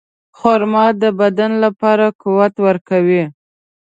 خرما د بدن لپاره قوت ورکوي.